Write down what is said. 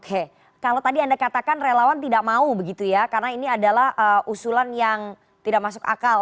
oke kalau tadi anda katakan relawan tidak mau begitu ya karena ini adalah usulan yang tidak masuk akal